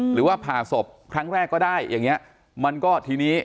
หรือว่าผ่าศพครั้งแรกก็ได้อย่างเงี้ยมันก็ทีนี้